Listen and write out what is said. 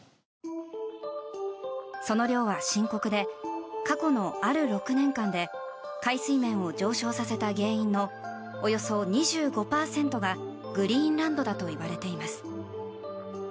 その量は深刻で過去のある６年間で海水面を上昇させた原因のおよそ２５％がグリーンランドだといわれています。